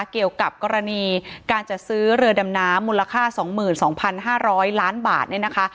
เกี่ยวกับกรณีการจัดซื้อเรือดำน้ำมูลค่า๒๒๕๐๐ล้านบาทเนี่ยนะคะ